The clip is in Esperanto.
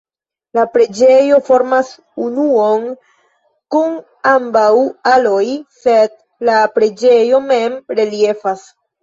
La preĝejo formas unuon kun ambaŭ aloj, sed la preĝejo mem reliefas.